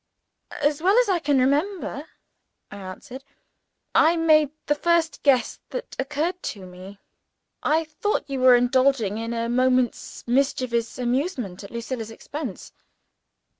"As well as I can remember," I answered, "I made the first guess that occurred to me. I thought you were indulging in a moment's mischievous amusement at Lucilla's expense.